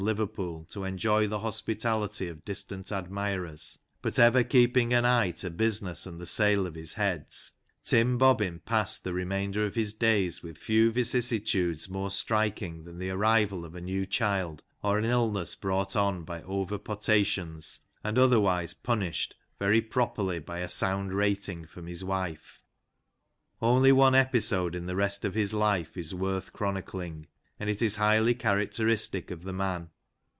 Liverpool to enjoy the hospitality of distant admirers, but ever keeping an eye to business and the sale of his heads, Tim Bobbin passed the remainder of his days with few vicissi tudes more striking than the arrival of a new child, or an illness brought on by over potations, and otherwise pun ished, very properly, by a sound rating from his wife. Only one episode in the rest of his life is worth chronicling, and it is highly characteristic of the man.